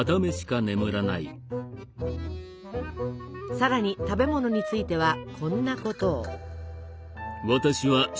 さらに食べ物についてはこんなことを。